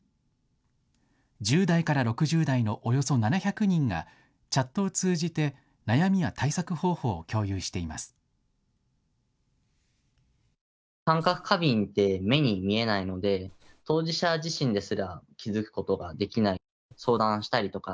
１０代から６０代のおよそ７００人がチャットを通じて悩みや対策方法を共有しています。